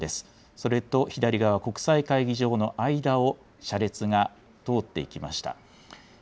それと左側、国際会議場の間を車列が通っていきました。